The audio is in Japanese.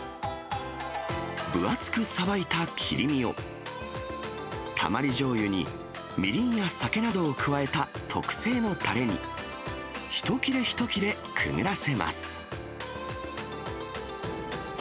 分厚くさばいた切り身を、たまりじょうゆにみりんや酒などを加えた特製のたれに、一切れ、一切れ、くぐらせます。